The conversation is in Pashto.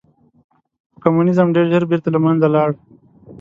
خو کمونیزم ډېر ژر بېرته له منځه لاړ.